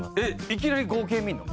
いきなり合計見るの？